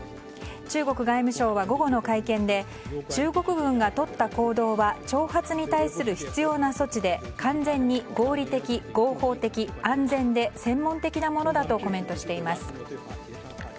中国外務省は午後の会見で中国軍がとった行動は挑発に対する必要な措置で完全に合理的、合法的、安全で専門的なものだとコメントしています。